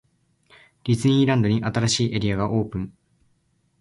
ディズニーランドに、新しいエリアがオープン!!